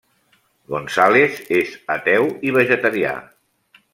González és ateu i vegetarià.